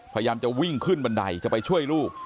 พยายามจะวิ่งขึ้นบันไดจะไปช่วยลูก